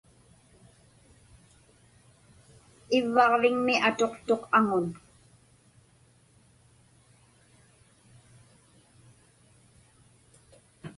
Ivvaġviŋmi atuqtuq aŋun.